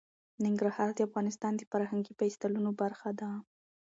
ننګرهار د افغانستان د فرهنګي فستیوالونو برخه ده.